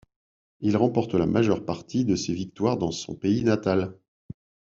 Il remporte la majeure partie de ses victoires dans son pays natal.